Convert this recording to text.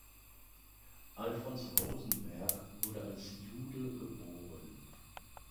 Alfons Rosenberg wurde als Jude geboren.